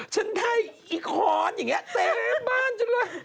ฉันได้อีกฮอลอย่างเงี้ยเต็มบ้านฉันเลย